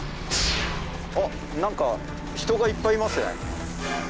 あっ何か人がいっぱいいますね。